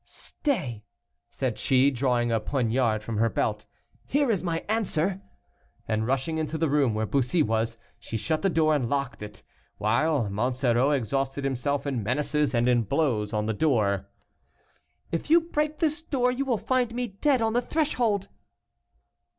"Stay," said she, drawing a poignard from her belt, "here is my answer." And rushing into the room where Bussy was, she shut the door and locked it, while Monsoreau exhausted himself in menaces and in blows on the door. "If you break this door you will find me dead on the threshold."